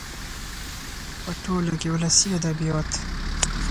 .په ټوله کې ولسي ادبيات